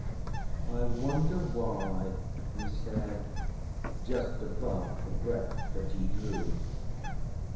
"I wonder why," he said just above the breath that he drew.